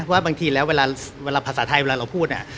ว่าบางทีแล้วเวลาภาษาไทยเวลาเราพูดเนี่ย